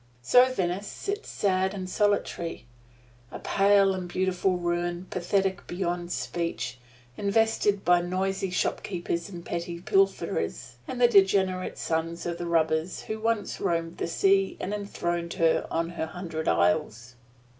So Venice sits sad and solitary a pale and beautiful ruin, pathetic beyond speech, infested by noisy shop keepers and petty pilferers, the degenerate sons of the robbers who once roamed the sea and enthroned her on her hundred isles.